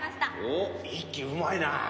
おっ一輝うまいな。